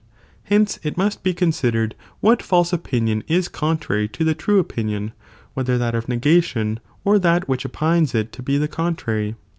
Hence it must be considered what false opinion is contrary to the true opinion, whether that of negation or that which opines it to be the contrary.